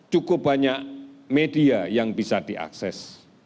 cukup banyak media yang bisa diakses